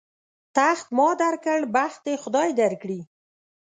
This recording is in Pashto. تخت ما در کړ، بخت دې خدای در کړي.